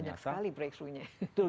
banyak sekali breakthrough nya